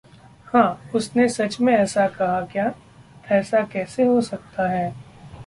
हँ! उसने सच में ऐसा कहा क्या? ऐसा कैसे हो सकता है!